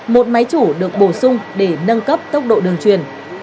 một máy chủ được bổ sung để nâng cấp tốc độ đường truyền